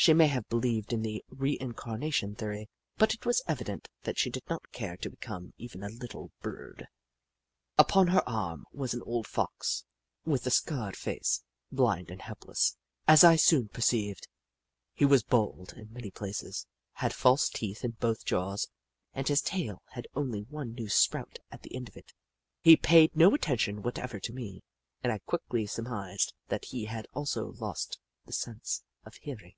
She may have believed in the re incarnation theory, but it was evident that she did not care to become even a little burred. Upon her arm was an old Fox, with i6o The Book of Clever Beasts a scarred face, blind and helpless, as I soon perceived. He was bald in many places, had false teeth in both jaws, and his tail had only one new sprout at the end of it. He paid no attention whatever to me, and I quickly sur mised that he had also lost the sense of hearing.